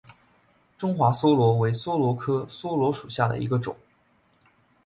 中华桫椤为桫椤科桫椤属下的一个种。